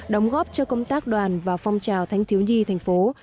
đóng góp cho công tác đoàn và phong trào thanh thiếu nhi thành phố